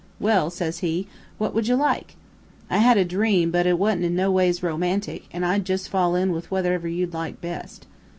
"'Well,' says he, 'what would you like? I had a dream, but it wasn't no ways romantic, and I'll jus' fall in with whatever you'd like best.'